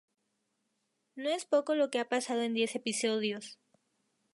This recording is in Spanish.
No es poco lo que ha pasado en diez episodios.